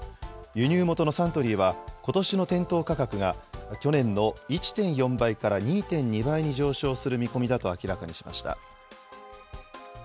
輸入元のサントリーは、ことしの店頭価格が、去年の１．４倍から２．２倍に上昇する見込みだと明らかにしました。